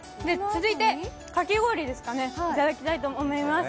続いて、かき氷をいただきたいと思います。